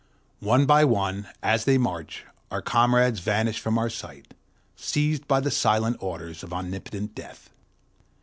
One by one, as they march, our comrades vanish from our sight, seized by the silent orders of omnipotent Death.